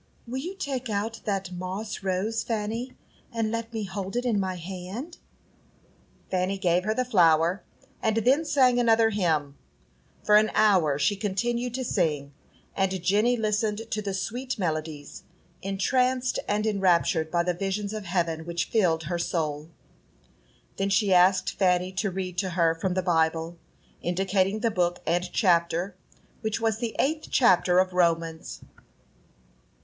"Will you take out that moss rose, Fanny, and let me hold it in my hand?" Fanny gave her the flower, and then sang another hymn. For an hour she continued to sing, and Jenny listened to the sweet melodies, entranced and enraptured by the visions of heaven which filled her soul. Then she asked Fanny to read to her from the Bible, indicating the book and chapter, which was the eighth chapter of Romans.